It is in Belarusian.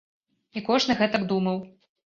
І кожны гэтак думаў.